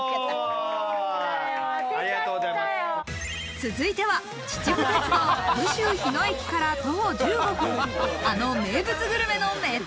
続いては秩父鉄道・武州日野駅から徒歩１５分、あの名物グルメの名店。